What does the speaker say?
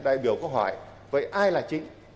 đại biểu có hỏi vậy ai là chị